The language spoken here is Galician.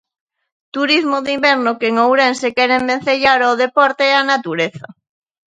Turismo de inverno que en Ourense queren vencellar ao deporte e a natureza.